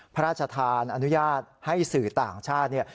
พระราชทานอนุญาตให้สื่อต่างชาติเนี่ย